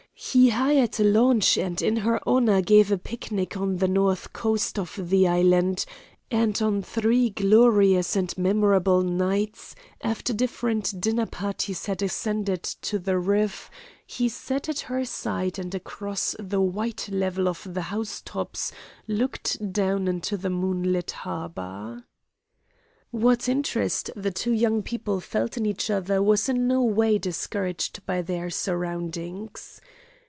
He hired a launch and in her honor gave a picnic on the north coast of the island, and on three glorious and memorable nights, after different dinner parties had ascended to the roof, he sat at her side and across the white level of the housetops looked down into the moonlit harbor. What interest the two young people felt in each other was in no way discouraged by their surroundings.